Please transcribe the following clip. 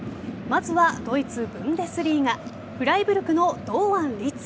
まずはドイツ・ブンデスリーガフライブルクの堂安律。